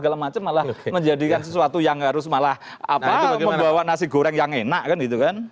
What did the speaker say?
segala macam malah menjadikan sesuatu yang harus malah membawa nasi goreng yang enak kan gitu kan